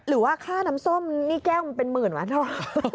หรือว่าค่าน้ำส้มนี่แก้วมันเป็นหมื่นวะเท่า